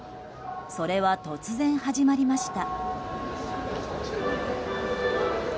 それは突然始まりました。